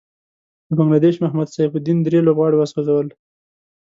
د بنګله دېش محمد سيف الدين دری لوبغاړی وسوځل.